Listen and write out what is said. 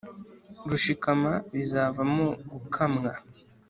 rushikama bizavamo gukamwa,